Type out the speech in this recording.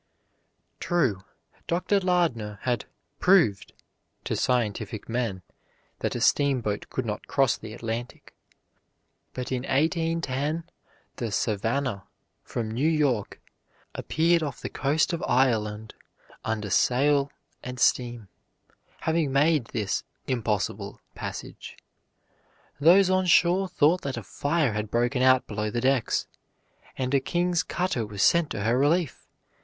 True, Dr. Lardner had "proved" to scientific men that a steamship could not cross the Atlantic, but in 1810 the Savannah from New York appeared off the coast of Ireland under sail and steam, having made this "impossible" passage. Those on shore thought that a fire had broken out below the decks, and a king's cutter was sent to her relief.